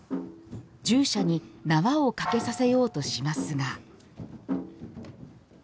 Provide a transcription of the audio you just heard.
従者に縄をかけさせようとしますが。